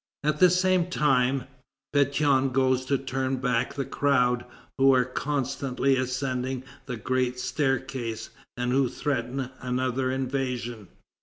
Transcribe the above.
At the same time, Pétion goes to turn back the crowd, who are constantly ascending the great staircase, and who threaten another invasion.